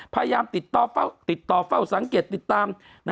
พยายามติดต่อเฝ้าสังเกตติดตาม